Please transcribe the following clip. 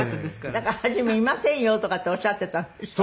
だから初め「いませんよ」とかっておっしゃってたんでしょ？